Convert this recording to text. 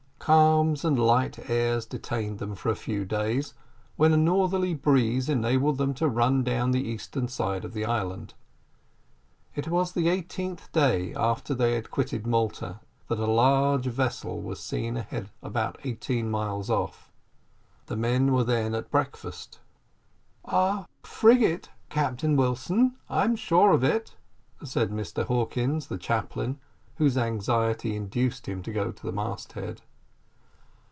Calms and light airs detained them for a few days, when a northerly breeze enabled them to run down the eastern side of the island. It was on the eighteenth day after they had quitted Malta that a large vessel was seen ahead about eighteen miles off. The men were then at breakfast. "A frigate, Captain Wilson, I'm sure of it," said Mr Hawkins the chaplain, whose anxiety induced him to go to the mast head.